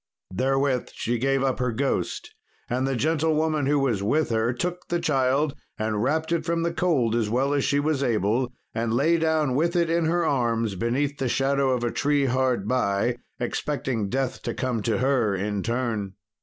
Therewith she gave up her ghost, and the gentlewoman who was with her took the child and wrapped it from the cold as well as she was able, and lay down with it in her arms beneath the shadow of a tree hard by, expecting death to come to her in turn.